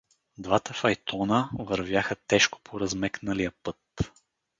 Двата файтона вървяха тежко по размекналия път.